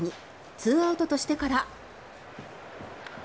２アウトとしてから。